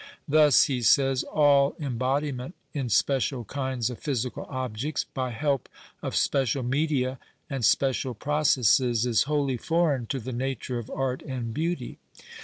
" Thus," he says, " all embodiment in special kinds of physical objects by help of special media and special processes is wholly foreign to the nature of art and beauty